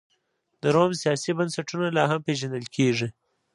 د روم سیاسي بنسټونه لا هم پېژندل کېږي.